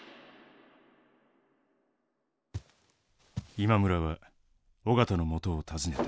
今村は緒方のもとを訪ねた。